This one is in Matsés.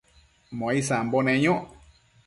muesambo neyoc